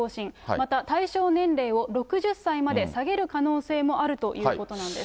また対象年齢を６０歳まで下げる可能性もあるということなんです。